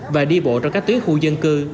và đi bộ trong các tuyến khu dân cư